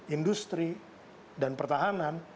industri dan pertahanan